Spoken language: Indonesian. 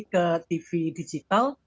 ke tv digital